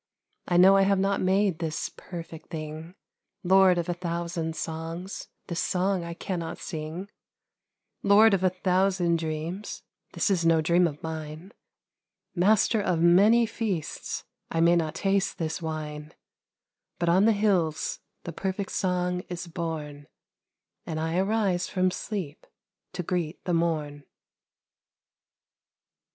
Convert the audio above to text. I know I have not made this perfect thing, Lord of a thousand songs, this song I cannot sing, Lord of a thousand dreams, this is no dream of mine, Master of many feasts, I may not taste this wine j But on the hills the perfect song is born, And I arise from sleep to greet the morn.